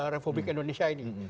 republik indonesia ini